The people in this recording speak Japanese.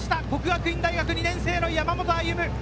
國學院大學２年生・山本歩夢。